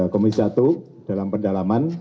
komisi satu dalam pendalaman